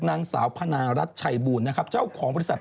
นางสาวพนารัฐชัยบูลนะครับเจ้าของบริษัท